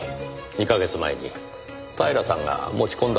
２か月前に平さんが持ち込んだんです。